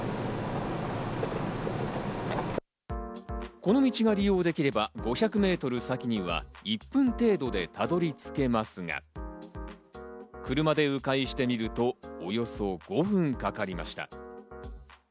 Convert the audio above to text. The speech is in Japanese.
この道が利用できれば、５００メートル先には１分程度でたどり着けますが、車で迂回してみると、およそ５分かかりました。